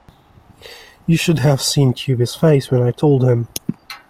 You should have seen Tuppy's face when I told him.